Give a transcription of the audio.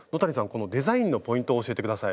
このデザインのポイントを教えて下さい。